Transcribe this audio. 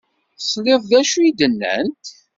Tesliḍ d acu i d-nnant?